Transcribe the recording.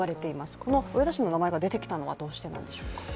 この植田氏の名前が出てきたのはどうしてでしょうか？